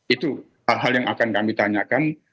itu hal hal yang akan kami tanyakan